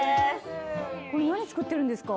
これ何作ってるんですか？